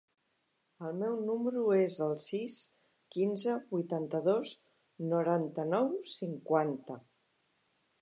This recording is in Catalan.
El meu número es el sis, quinze, vuitanta-dos, noranta-nou, cinquanta.